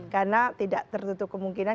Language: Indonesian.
karena tidak tertutup kemungkinan